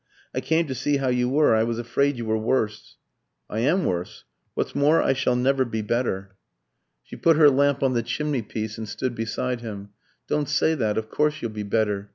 I came to see how you were; I was afraid you were worse." "I am worse. What's more, I shall never be better." She put her lamp on the chimneypiece and stood beside him. "Don't say that; of course you'll be better.